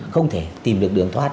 không thể tìm được đường thoát